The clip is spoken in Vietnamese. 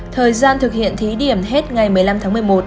thời gian thực hiện thí điểm hết ngày một mươi năm tháng một mươi một